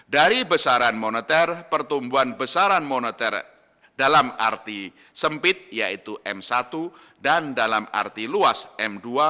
dari besaran moneter pertumbuhan besaran moneter dalam arti sempit yaitu m satu dan dalam arti luas m dua